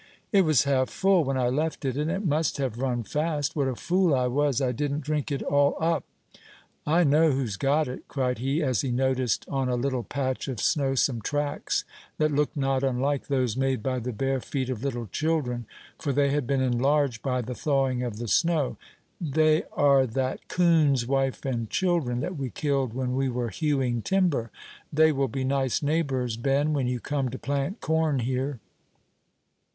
"It was half full when I left it, and it must have run fast; what a fool I was I didn't drink it all up! I know who's got it," cried he, as he noticed on a little patch of snow some tracks, that looked not unlike those made by the bare feet of little children, for they had been enlarged by the thawing of the snow; "they are that coon's wife and children, that we killed when we were hewing timber. They will be nice neighbors, Ben, when you come to plant corn here."